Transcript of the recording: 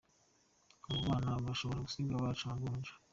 Abo bana bashobora gusiga abacu amavunja.